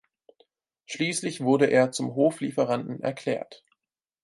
Schließlich wurde er zum Hoflieferanten erklärt.